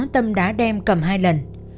tâm đã đem cầm hai lần